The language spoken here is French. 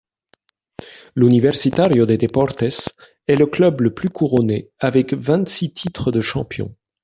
L'Universitario de Deportes est le club le plus couronné avec vingt-six titres de champion.